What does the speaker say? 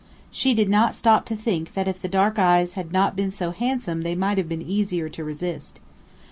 She did not stop to think that if the dark eyes had not been so handsome they might have been easier to resist.